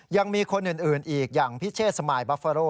ยังมีคนอื่นอีกอย่างพิเชษสมายบัฟเฟอโร